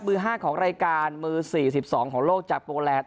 มือ๕ของรายการมือ๔๒ของโลกจากโปรแลนด